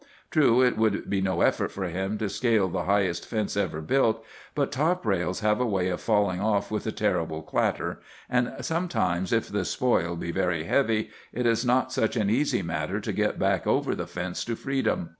True, it would be no effort for him to scale the highest fence ever built, but top rails have a way of falling off with a terrible clatter, and sometimes, if the spoil be very heavy, it is not such an easy matter to get back over the fence to freedom.